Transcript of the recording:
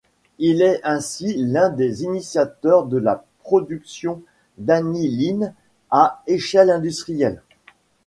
Il est ainsi l'un des initiateurs de la production d'aniline à échelle industrielle.